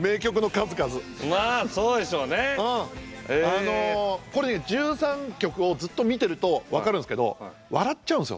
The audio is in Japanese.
あのこれね１３曲をずっと見てると分かるんですけど笑っちゃうんですよ